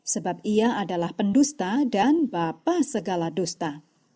sebab ia adalah pendusta dan bapak segala dusta